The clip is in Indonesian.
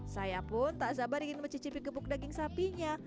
saya pun tak sabar ingin mencicipi gebuk daging sapinya